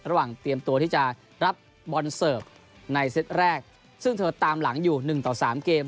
ระหว่างเตรียมตัวที่จะรับบอลเสิร์ฟในเซ็ตแรกซึ่งเธอตามหลังอยู่๑ต่อ๓เกม